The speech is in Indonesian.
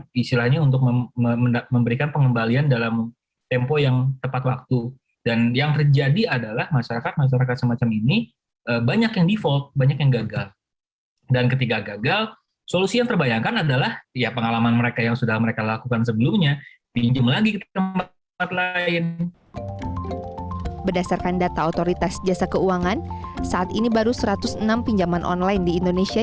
satu ratus enam pinjaman online di indonesia